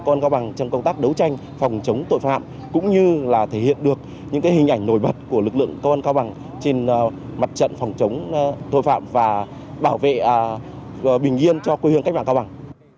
công an cao bằng trong công tác đấu tranh phòng chống tội phạm cũng như là thể hiện được những hình ảnh nổi bật của lực lượng công an cao bằng trên mặt trận phòng chống tội phạm và bảo vệ bình yên cho quê hương cách mạng cao bằng